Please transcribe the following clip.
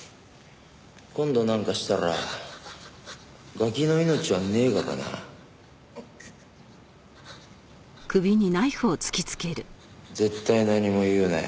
今度なんかしたらガキの命はねえからな。絶対何も言うなよ。